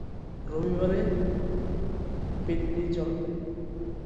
রবিবারে প্যানিনি চলবে।